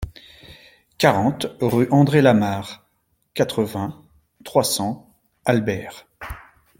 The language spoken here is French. quarante rue André Lamarre, quatre-vingts, trois cents, Albert